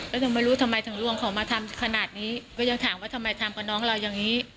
แล้วถึงไม่รู้ทำไมถึงลวงเขามาทำขนาดนี้ก็ยังถามว่าทำไมทำกับน้องเราอย่างนี้